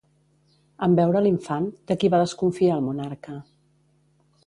En veure l'infant, de qui va desconfiar el monarca?